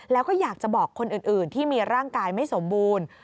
แล้วก็อยากจะบอกคนอื่นที่มีร่างกายไม่สมบูรณ์